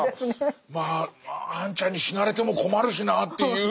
まああんちゃんに死なれても困るしなっていうその感じ。